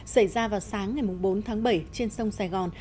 xảy ra vào sáng ngày bốn tháng bảy trên sông sài gòn